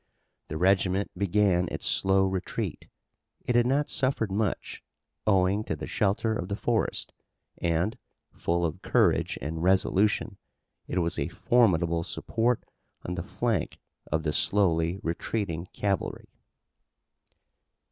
The regiment began its slow retreat. It had not suffered much, owing to the shelter of the forest, and, full of courage and resolution, it was a formidable support on the flank of the slowly retreating cavalry.